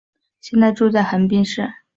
现在住在横滨市。